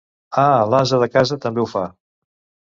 Ah! L'ase de casa també ho fa.